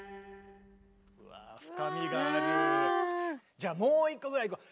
じゃあもう１個ぐらいいこう。